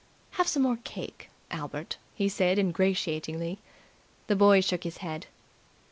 "Have some more cake, Albert," he said ingratiatingly. The boy shook his head.